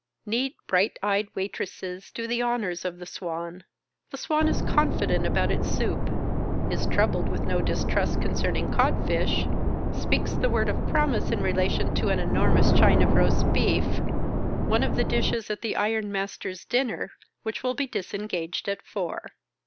Neat bright eyed waitresses do the honours of the Swan. The Swan is confident about its soup, is troubled with no distrust concerning cod fish, speaks the word of promise in relation to an enormous chine of roast beef, one of the dishes at " the Ironmasters' dinner," which will be disengaged at four.